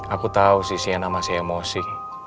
aku tahu sih sienna masih emosi